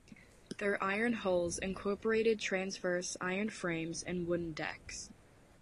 Their iron hulls incorporated transverse iron frames and wooden decks.